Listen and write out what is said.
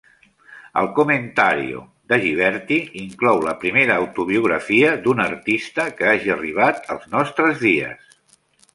El "Commentario" de Ghiberti inclou la primera autobiografia d'un artistes que hagi arribat als nostres dies.